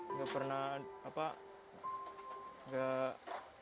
nggak pernah apa nggak